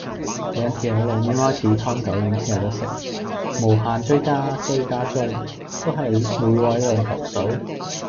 兩條友兩點開始劏九點先有得食，無限追加追加追，都係每位兩舊水